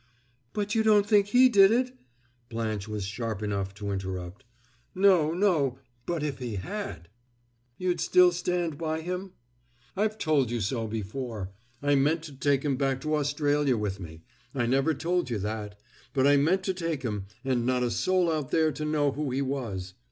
"But you don't think he did it!" Blanche was sharp enough to interrupt. "No no but if he had!" "You'd still stand by him?" "I've told you so before. I meant to take him back to Australia with me I never told you that but I meant to take him, and not a soul out there to know who he was."